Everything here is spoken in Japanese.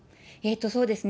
そうですね。